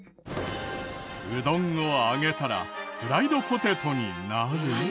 うどんを揚げたらフライドポテトになる！？